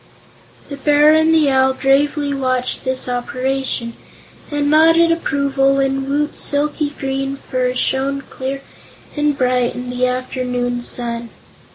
The Bear and the Owl gravely watched this operation and nodded approval when Woot's silky green fur shone clear and bright in the afternoon sun.